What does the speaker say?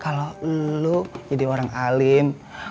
kalo lu jadi orang alim